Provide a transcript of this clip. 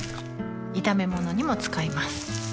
炒め物にも使います